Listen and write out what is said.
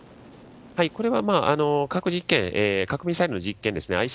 これは、核実験核ミサイルの実験